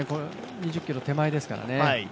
２０ｋｍ手前ですからね。